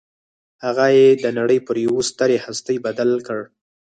هغه يې د نړۍ پر يوه ستره هستي بدل کړ.